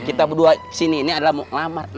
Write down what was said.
kita berdua sini ini adalah mau ngelamar